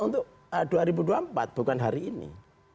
untuk dua ribu dua puluh empat bukan hari ini